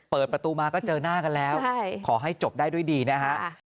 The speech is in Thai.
เปิดประตูมาก็เจอหน้ากันแล้วขอให้จบได้ด้วยดีนะฮะ